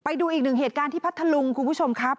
ไปดูอีกหนึ่งเหตุการณ์ที่พัทธลุงคุณผู้ชมครับ